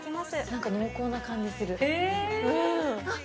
何か濃厚な感じする